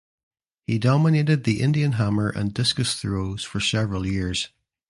He dominated the Indian hammer and discus throws for several years.